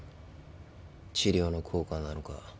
治療の効果なのか。